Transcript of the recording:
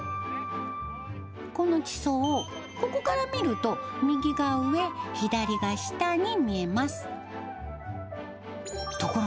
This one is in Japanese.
この地層、ここから見ると右が上、左が下に見えます。